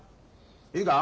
いいか？